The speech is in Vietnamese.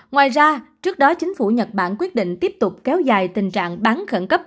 ngoài ra trước đó chính phủ nhật bản quyết định tiếp tục kéo dài tình trạng bán khẩn cấp